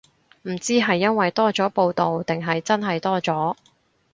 唔知係因為多咗報導定係真係多咗